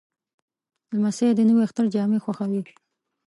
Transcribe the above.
لمسی د نوي اختر جامې خوښوي.